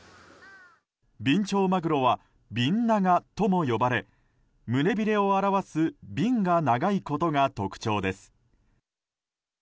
ビンチョウマグロはビンナガとも呼ばれ胸ビレを表すビンが長いことが特徴です。